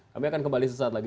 kami akan kembali sesaat lagi